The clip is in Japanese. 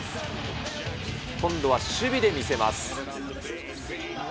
今度は守備で見せます。